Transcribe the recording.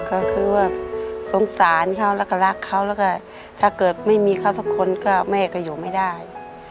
ก็คือว่าสงสารเขาแล้วก็รักเขาแล้วก็ถ้าเกิดไม่มีเขาสักคนก็แม่ก็อยู่ไม่ได้